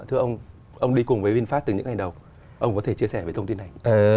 thưa ông ông đi cùng với vinfast từ những ngày đầu ông có thể chia sẻ về thông tin này